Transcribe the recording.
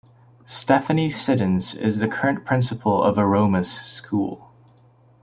Stephanie Siddens is the current principal of Aromas School.